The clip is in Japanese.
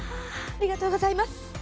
ありがとうございます。